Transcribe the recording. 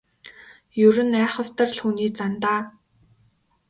Ер нь айхавтар л хүний зан даа.